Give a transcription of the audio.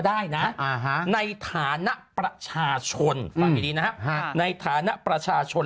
ได้นะอ่าฮะแผลชาชนฟังให้ดีนะฮะในฐานะประชาชน